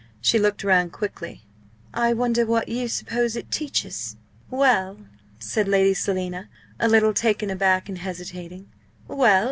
She looked round quickly. "I wonder what you suppose it teaches?" "Well," said Lady Selina, a little taken aback and hesitating; "well!